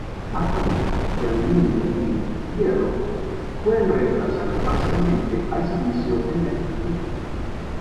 Átomos de aluminio y hierro pueden reemplazar parcialmente al silicio en la estructura.